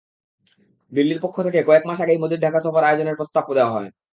দিল্লির পক্ষ থেকে কয়েক মাস আগেই মোদির ঢাকা সফর আয়োজনের প্রস্তাব দেওয়া হয়।